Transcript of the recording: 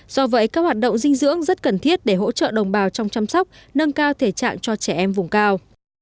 do vậy các hoạt động dinh dưỡng rất cần thiết để hỗ trợ đồng bào trong chăm sóc nâng cao thể trạng cho trẻ em vùng cao